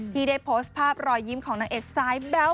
ที่ได้โพสต์ภาพรอยยิ้มของนางเอกสายแบ๊ว